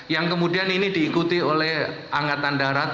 yang kemudian ini diikuti oleh angkatan darat